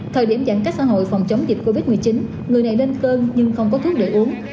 thời điểm giãn cách xã hội phòng chống dịch covid một mươi chín người này lên cơn nhưng không có thuốc để uống